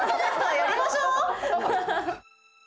やりましょう！